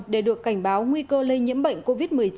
để được cảnh báo nguy cơ lây nhiễm bệnh covid một mươi chín